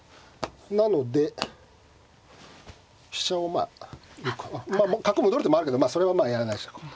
なので飛車をまあ角戻る手もあるけどそれはやらないでしょう。